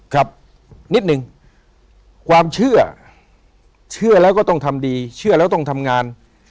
ครับนิดนึงความเชื่อเชื่อแล้วก็ต้องทำดีเชื่อแล้วต้องทำงาน